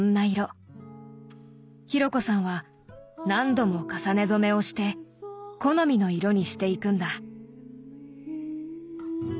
紘子さんは何度も重ね染めをして好みの色にしていくんだ。